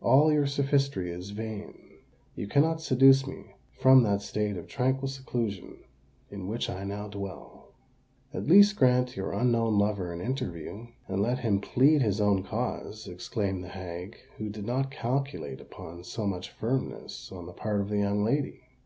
"All your sophistry is vain. You cannot seduce me from that state of tranquil seclusion in which I now dwell." "At least grant your unknown lover an interview, and let him plead his own cause," exclaimed the hag, who did not calculate upon so much firmness on the part of the young lady.